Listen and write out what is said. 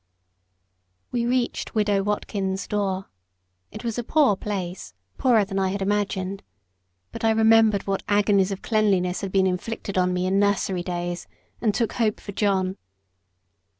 We reached Widow Watkins' door. It was a poor place poorer than I had imagined; but I remembered what agonies of cleanliness had been inflicted on me in nursery days; and took hope for John.